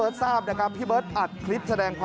และก็มีการกินยาละลายริ่มเลือดแล้วก็ยาละลายขายมันมาเลยตลอดครับ